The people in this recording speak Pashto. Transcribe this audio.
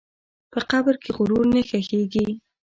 په قبر کې غرور نه ښخېږي.